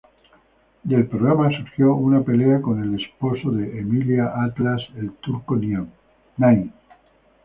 Del programa surgió una pelea con el esposo de Emilia Attias, el Turco Naim.